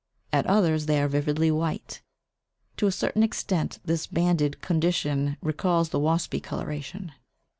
At others they are vividly white; to a certain extent this banded condition recalls the waspy coloration.